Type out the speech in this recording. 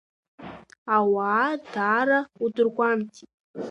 Ауаа даара удыргәамҵит.